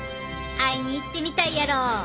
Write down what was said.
会いに行ってみたいやろ？